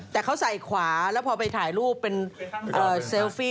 แต่เขาใส่ขวาแล้วพอไปถ่ายรูปเป็นเซลฟี่